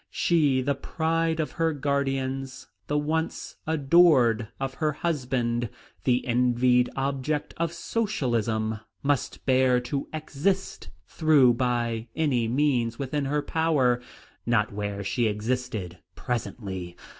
She, the pride of her guardians, the once adored of her husband, the envied object of socialism, must bear to exist, though by any means within her power, not where she existed presently.